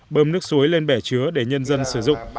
bơm nước suối lên bẻ chứa để nhân dân sử dụng